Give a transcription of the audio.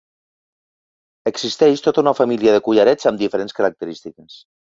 Existeix tota una família de collarets amb diferents característiques.